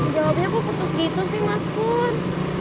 jawabnya kok kutuk gitu sih mas pur